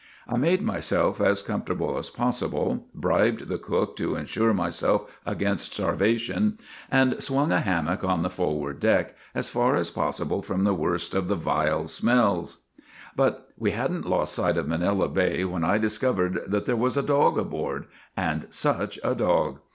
' I made myself as comfortable as possible, bribed the cook to insure myself against starvation, and swung a hammock on the forward deck as far as possible from the worst of the vile smells. 8 GULLIVER THE GREAT " But we had n't lost sight of Manila Bay when I discovered that there was a dog aboard and such a dog!